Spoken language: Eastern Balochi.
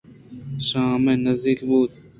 شام نزّیک بُوت